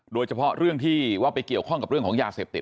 โดยเฉพาะเรื่องที่ว่าไปเกี่ยวข้องกับเรื่องของยาเสพติด